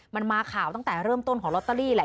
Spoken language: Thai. มันมาข่าวตั้งแต่เริ่มต้นของลอตเตอรี่แหละ